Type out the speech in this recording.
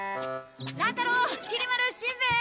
乱太郎きり丸しんべヱ！